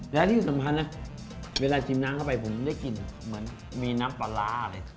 และที่สำคัญนะเวลาชิมน้ำเข้าไปผมได้กลิ่นเหมือนมีน้ำปลาร้าอะไร